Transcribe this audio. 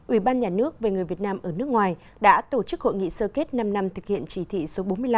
ủy ban nhà nước về người việt nam ở nước ngoài đã tổ chức hội nghị sơ kết năm năm thực hiện chỉ thị số bốn mươi năm